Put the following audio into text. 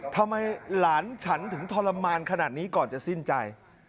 ทำไมหลานฉันถึงทรมานขนาดนี้ก่อนจะสิ้นใจ